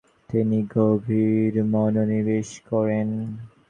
তিনি গভীর মনোনিবেশ করেন।